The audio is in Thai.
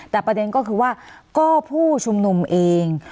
แต่ประเด็นก็คือว่าก็ผู้ชุมนุมเอง